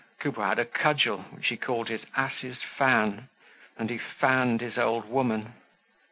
Coupeau had a cudgel, which he called his ass's fan, and he fanned his old woman.